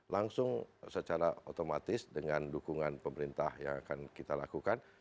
langsung secara otomatis dengan dukungan pemerintah yang akan kita lakukan